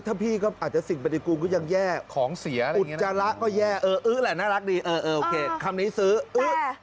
ถ้าพี่ก็อาจจะสิ่งปฏิกูลก็ยังแย่ของเสียอุจจาระก็แย่เอออื้อแหละน่ารักดีเออโอเคคำนี้ซื้ออื้อ